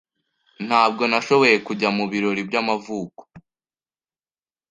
Ntabwo nashoboye kujya mubirori by'amavuko.